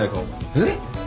えっ？